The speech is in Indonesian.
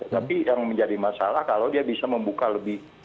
tapi yang menjadi masalah kalau dia bisa membuka lebih